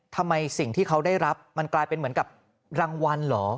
ทำไมสิ่งที่เขาได้รับมันกลายเป็นเหมือนกับรางวัลเหรอ